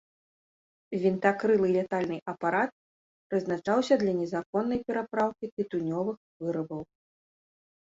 Вінтакрылы лятальны апарат прызначаўся для незаконнай перапраўкі тытунёвых вырабаў.